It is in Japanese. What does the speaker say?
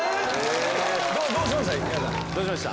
どうしました？